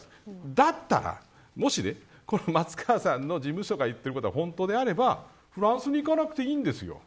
だったらもし、この松川さんの事務所が言ってることが本当であればフランスに行かなくていいんですよ。